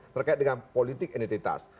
terkait dengan politik identitas